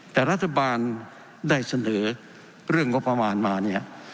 แต่รัฐบาลได้เสนอเรื่องงบประมาณมาเนี่ย